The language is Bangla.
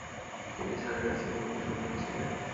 তিনি সার্কাসিয়ান বংশোদ্ভূত ছিলেন।